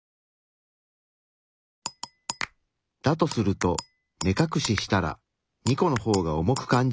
だとすると目かくししたら２個の方が重く感じるはず。